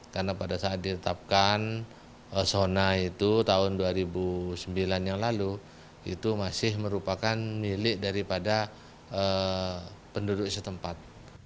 karena pada saat ditetapkan zona itu tahun dua ribu sembilan yang lalu itu masih merupakan milik daripada penduduk setempat